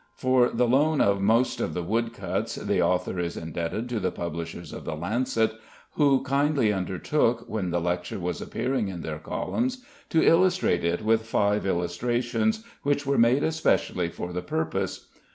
For the loan of most of the woodcuts the author is indebted to the Publishers of the Lancet, who kindly undertook, when the lecture was appearing in their columns, to illustrate it with five illustrations, which were made especially for the purpose.